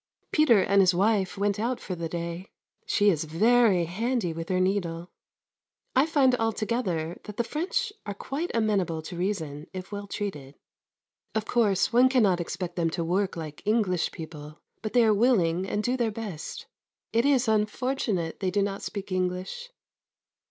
Peter and his wife went out for the day. She is very handy with her needle. I find altogether that the French are quite amenable to reason, if well treated. Of course, one cannot expect them to work like English people, but they are willing and do their best. It is unfortunate they do not speak English.